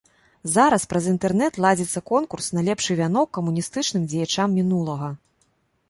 Зараз праз інтэрнэт ладзіцца конкурс на лепшы вянок камуністычным дзеячам мінулага.